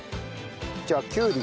じゃあきゅうり。